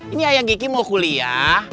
ini ayang kiki mau kuliah